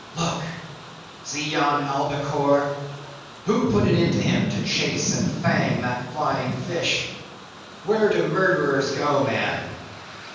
Look! see yon Albicore! who put it into him to chase and fang that flying fish? Where do murderers go, man!